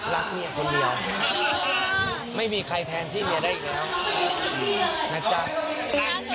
รักเมียคนเดียวไม่มีใครแทนที่เมียได้อีกแล้วนะจ๊ะประสิทธิ์